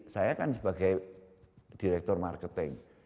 saya kan sebagai direktur marketing